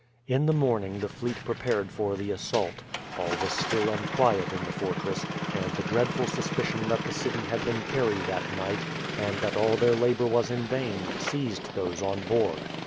In the morning the fleet prepared for the assault. All was still and quiet in the fortress, and the dreadful suspicion that the city had been carried at night, and that all their labour was in vain, seized those on board.